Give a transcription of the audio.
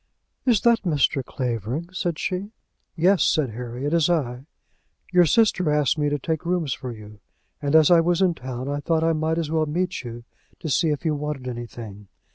"Is that Mr. Clavering?" said she. "Yes," said Harry, "it is I. Your sister asked me to take rooms for you, and as I was in town I thought I might as well meet you to see if you wanted anything.